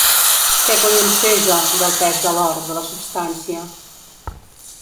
Què coi en sé, jo, del pes de l’or, de la substància?